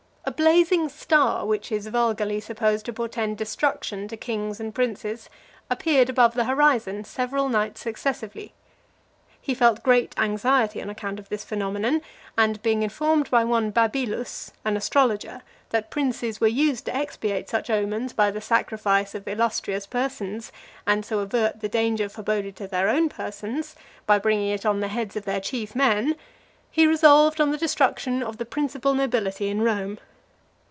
A blazing star, which is vulgarly supposed to portend destruction to kings and princes, appeared above the horizon several nights successively . He felt great anxiety on account of this phenomenon, and being informed by one Babilus, an astrologer, that princes were used to expiate such omens by the sacrifice of illustrious persons, and so avert the danger foreboded to their own persons, by bringing it on the heads of their chief men, he resolved on the destruction of the principal nobility in Rome.